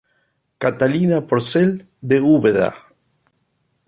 Catalina Porcel, de Úbeda.